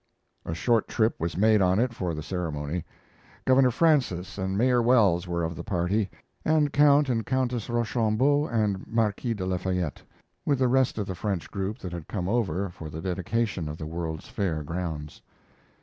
A short trip was made on it for the ceremony. Governor Francis and Mayor Wells were of the party, and Count and Countess Rochambeau and Marquis de Lafayette, with the rest of the French group that had come over for the dedication of the World's Fair grounds.